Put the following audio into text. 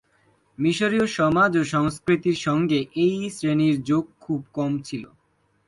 মিশরীয় সমাজ ও সংস্কৃতির সঙ্গে এই শ্রেণির যোগ খুব কমই ছিল।